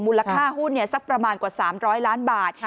มูลค่าหุ้นเนี่ยซักประมาณ๓๐๐ล้านบาท